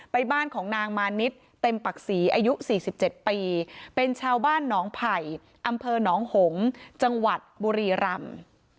บ้านของนางมานิดเต็มปักศรีอายุ๔๗ปีเป็นชาวบ้านหนองไผ่อำเภอหนองหงษ์จังหวัดบุรีรำ